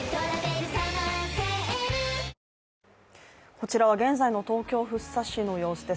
こちらは現在の東京・福生市の様子です。